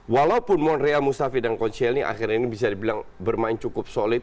walaupun monrea mustafi dan coachelleni akhirnya ini bisa dibilang bermain cukup solid